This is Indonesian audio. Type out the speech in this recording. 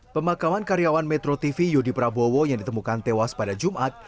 pemakaman karyawan metro tv yudi prabowo yang ditemukan tewas pada jumat